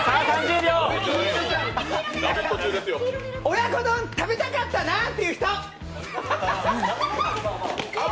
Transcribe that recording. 親子丼食べたかったな！っていう人！